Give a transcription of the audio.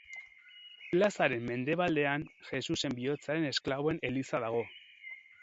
Plazaren mendebaldean Jesusen Bihotzaren Esklaboen eliza dago.